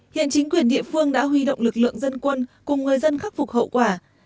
hiện chính quyền địa phương đã huy động lực lượng dân quân cùng người dân khắc phục hậu quả